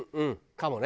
かもね。